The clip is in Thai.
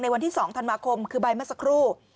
วันที่๒ธันวาคมคือใบเมื่อสักครู่